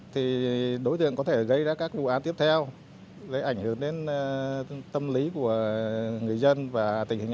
thì đối tượng có thể gây ra các vụ án tiếp theo gây ảnh hưởng đến tâm lý của người dân và tình hình